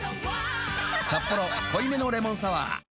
「サッポロ濃いめのレモンサワー」